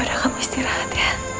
aku masih ingat